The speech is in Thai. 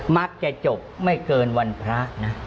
มักจะจบไม่เกินวันพระนะ